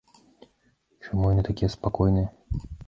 Чаму яны такія спакойныя?